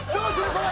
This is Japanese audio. これ。